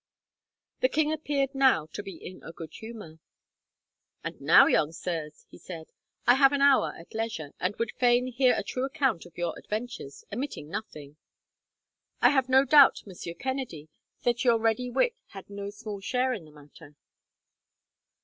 The king appeared now to be in a good humour. "And now, young sirs," he said, "I have an hour at leisure, and would fain hear a true account of your adventures, omitting nothing. "I have no doubt, Monsieur Kennedy, that your ready wit had no small share in the matter."